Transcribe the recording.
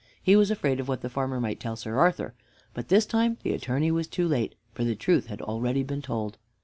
He was afraid of what the farmer might tell Sir Arthur. But this time the Attorney was too late, for the truth had already been told.